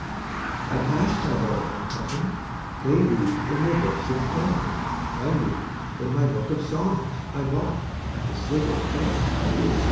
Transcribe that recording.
I passed my brother and cousin; They read in their books of prayer; I read in my book of songs I bought at the Sligo fair.